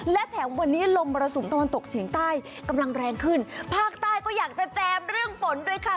และแถมวันนี้ลมมรสุมตะวันตกเฉียงใต้กำลังแรงขึ้นภาคใต้ก็อยากจะแจมเรื่องฝนด้วยค่ะ